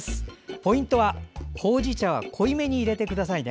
ポイントは、ほうじ茶は濃いめにいれてくださいね。